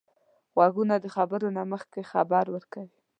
غوږونه د خبرو نه مخکې خبر ورکوي